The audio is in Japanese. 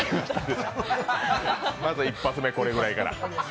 まず一発目、これぐらいから。